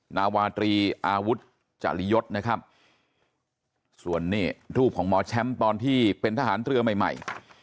นาวาตรีอาวุธจริยศนะครับส่วนนี่รูปของหมอแชมป์ตอนที่เป็นทหารเรือใหม่ใหม่